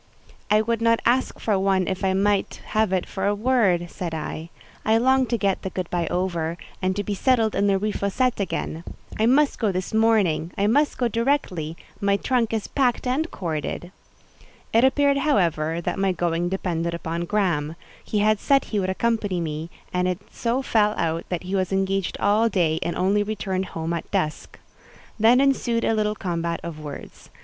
"I would not ask for one if I might have it for a word," said I. "I long to get the good by over, and to be settled in the Rue Fossette again. I must go this morning: I must go directly; my trunk is packed and corded." It appeared; however, that my going depended upon Graham; he had said he would accompany, me, and it so fell out that he was engaged all day, and only returned home at dusk. Then ensued a little combat of words. Mrs.